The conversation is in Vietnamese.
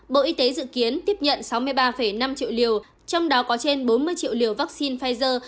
bộ y tế dự kiến tiếp nhận sáu mươi ba năm triệu liều trong đó có trên bốn mươi triệu liều vaccine pfizer